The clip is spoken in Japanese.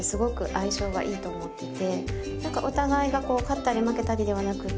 お互いがこう勝ったり負けたりではなくて。